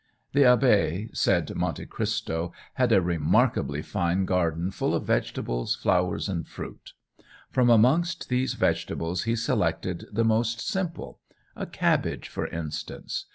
"The Abbé," said Monte Christo, "had a remarkably fine garden full of vegetables, flowers, and fruit. From amongst these vegetables he selected the most simple a cabbage, for instance.